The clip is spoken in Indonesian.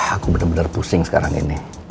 aku bener bener pusing sekarang ini